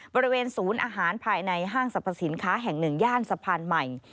บริเวณศูนย์อาหารภายในห้างสรรพสินค้าแห่งหนึ่งย่านสะพานใหม่